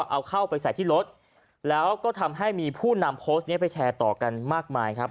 เอาเข้าไปใส่ที่รถแล้วก็ทำให้มีผู้นำโพสต์นี้ไปแชร์ต่อกันมากมายครับ